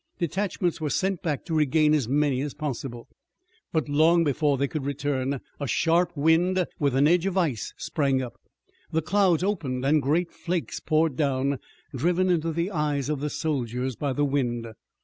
Detachments were sent back to regain as many as possible, but long before they could return a sharp wind with an edge of ice sprang up, the clouds opened and great flakes poured down, driven into the eyes of the soldiers by the wind.